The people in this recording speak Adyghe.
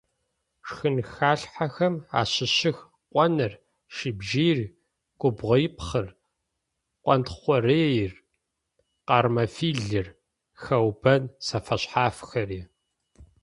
Шхынхалъхьэхэм ащыщых къоныр, щыбжьыир, губгъопхъыр, къонтхъурэир, къэрмэфилыр, хэубэн зэфэшъхьафхэри.